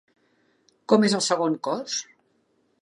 Com és el segon cos?